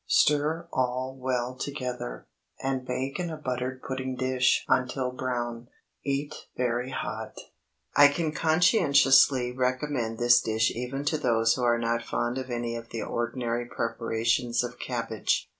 Stir all well together, and bake in a buttered pudding dish until brown. Eat very hot. I can conscientiously recommend this dish even to those who are not fond of any of the ordinary preparations of cabbage.